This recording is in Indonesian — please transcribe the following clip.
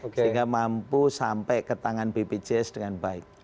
sehingga mampu sampai ke tangan bpjs dengan baik